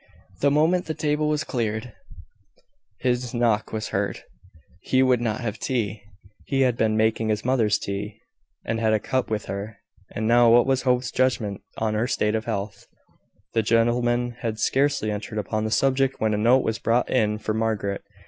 The moment the table was cleared, his knock was heard. He would not have tea: he had been making his mother's tea, and had had a cup with her. And now, what was Hope's judgment on her state of health? The gentlemen had scarcely entered upon the subject when a note was brought in for Margaret.